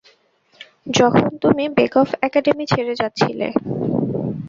যখন তুমি Bekoff academy ছেড়ে যাচ্ছিলে।